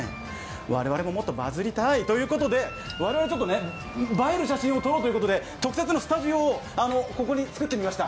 我々ももっとバズりたいということで、我々も映える写真を撮ろうということで特設のスタジオを作ってみました。